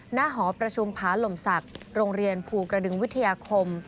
หอประชุมผาหล่มศักดิ์โรงเรียนภูกระดึงวิทยาคม